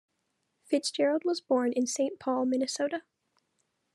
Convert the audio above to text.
Fitzgerald was born in Saint Paul, Minnesota.